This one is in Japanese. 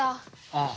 ああ。